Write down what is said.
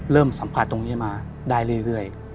เริ่มสัมภาษณ์ตรงนี้มาได้เรื่อย